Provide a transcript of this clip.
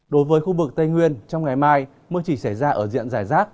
đối với khu vực tây nguyên trong ngày mai mưa chỉ xảy ra ở diện giải rác